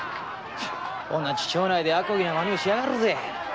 同じ町内であこぎな真似をしやがるぜ！